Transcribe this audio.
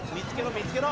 見つけろ！